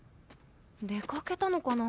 出かけたのかな？